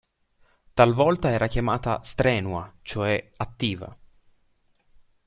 Talvolta era chiamata Strenua, cioè "attiva".